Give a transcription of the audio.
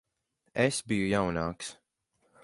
Es biju jaunāks.